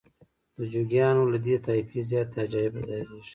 د جوګیانو له دې طایفې زیاتې عجایب ظاهریږي.